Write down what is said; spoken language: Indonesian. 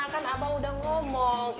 kan abah udah ngomong